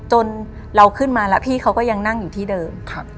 จนเราขึ้นมาแล้วพี่เขาก็ยังนั่งอยู่ที่เดิม